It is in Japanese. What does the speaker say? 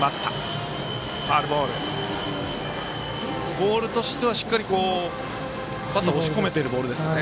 ボールとしてはしっかりバッター押し込めているボールですね。